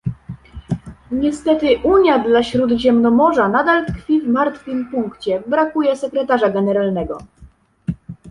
Niestety Unia dla Śródziemnomorza nadal tkwi w martwym punkcie, brakuje sekretarza generalnego